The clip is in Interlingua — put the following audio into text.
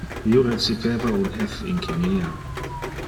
Io recipeva un F in chimia.